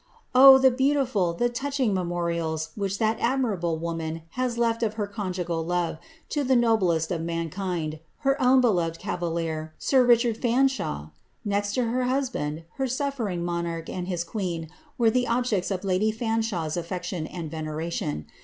Oh f the beautiful, the touching memorials which that admirable wo man has left of her conjugal love, to the noblest of mankind, her owa beloved cavalier, sir Richard Fanshawe I Next to her husband, her sof* fering monarch and his queen were the objects of lady Fanshawe's aflbe tion and veneration.